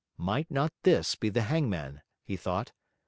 Might not this be the hangman? he thought.